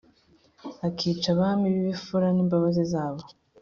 ikica abami bibifura nimbabazi zabo